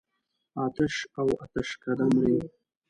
آتش او آتشکده مري.